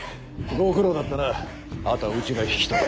ご苦労だったなあとはうちが引き取る。